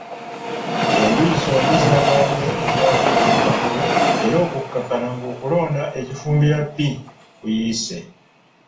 Enjuyi zombi zaagaanye ebyavudde mu kalulu era okukkakkana ng'okulonda e Kifumbira B kuyiise.